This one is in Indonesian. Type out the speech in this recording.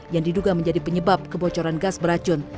yang diduga menjadi penyebab kebocoran gas beracun